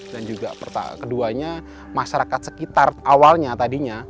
dan juga keduanya masyarakat sekitar awalnya tadinya